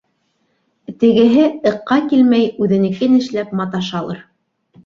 Тегеһе, ыҡҡа килмәй, үҙенекен эшләп маташалыр.